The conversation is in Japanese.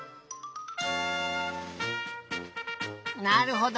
なるほど。